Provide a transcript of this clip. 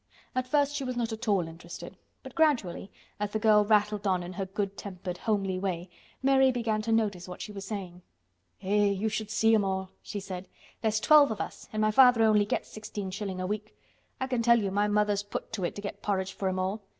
At first she was not at all interested, but gradually, as the girl rattled on in her good tempered, homely way, Mary began to notice what she was saying. "Eh! you should see 'em all," she said. "There's twelve of us an' my father only gets sixteen shilling a week. I can tell you my mother's put to it to get porridge for 'em all.